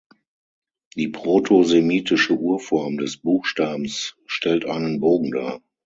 Die proto-semitische Urform des Buchstabens stellt einen Bogen dar.